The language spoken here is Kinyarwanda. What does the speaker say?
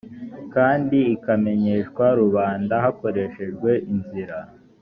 kandi ikamenyeshwa rubanda hakoreshejwe inzira